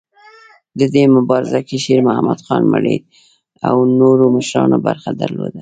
دې مبارزه کې شیرمحمد خان مري او نورو مشرانو برخه درلوده.